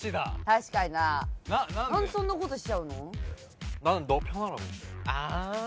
確かにな何でそんなことしちゃうの？